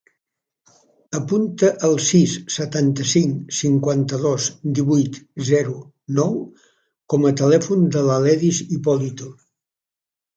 Apunta el sis, setanta-cinc, cinquanta-dos, divuit, zero, nou com a telèfon de l'Aledis Hipolito.